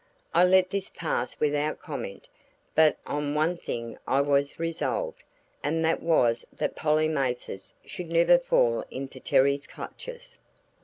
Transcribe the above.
I let this pass without comment, but on one thing I was resolved; and that was that Polly Mathers should never fall into Terry's clutches.